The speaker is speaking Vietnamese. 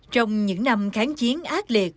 trong những năm kháng chiến ác liệt